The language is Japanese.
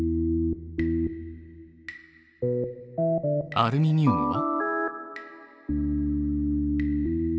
アルミニウムは？